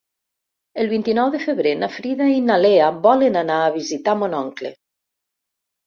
El vint-i-nou de febrer na Frida i na Lea volen anar a visitar mon oncle.